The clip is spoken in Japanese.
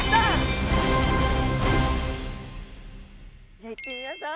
じゃあ行ってみましょう。